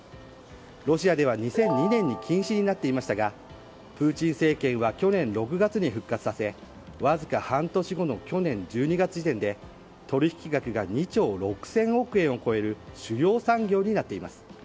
ロシアでは２００２年に禁止になっていましたがプーチン政権は去年６月に復活させわずか半年後の去年１２月時点で取引額が２兆６０００億円を超える主要産業になっています。